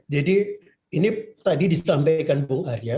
jadi ini tadi disampaikan bang arya